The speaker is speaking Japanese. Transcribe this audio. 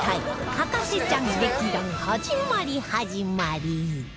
博士ちゃん劇団始まり始まり